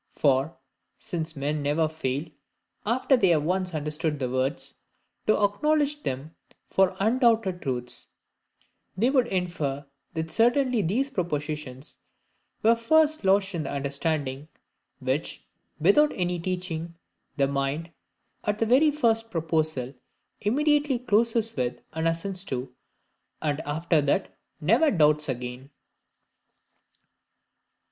For, since men never fail after they have once understood the words, to acknowledge them for undoubted truths, they would infer, that certainly these propositions were first lodged in the understanding, which, without any teaching, the mind, at the very first proposal immediately closes with and assents to, and after that never doubts again.